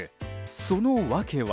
その訳は。